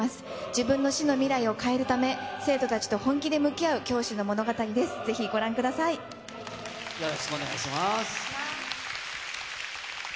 自分の死の未来を変えるため、生徒たちと本気で向き合う教師の物語です、ぜひご覧ください。あれ？